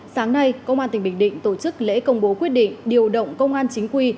sáng nay công an tỉnh bình định tổ chức lễ công bố quyết định điều động công an chính quy